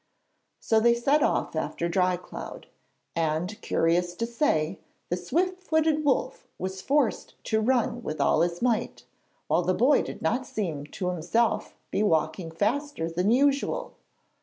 So they set off after Dry cloud, and curious to say, the swift footed wolf was forced to run with all his might, while the boy did not seem to himself to be walking faster than usual.